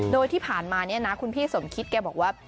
โดยที่ผ่านมาเนี่ยนะคุณพี่สมคิดแกบอกว่า